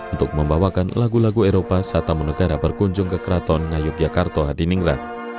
untuk membawakan lagu lagu eropa saat tamu negara berkunjung ke keraton ngayogyakarto di ningrat